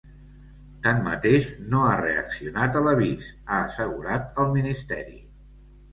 Tanmateix, no ha reaccionat a l’avís, ha assegurat el ministeri.